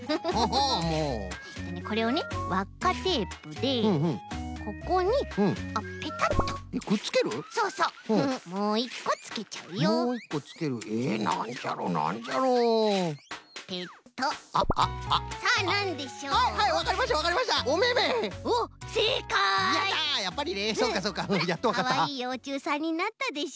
ほらかわいいようちゅうさんになったでしょ？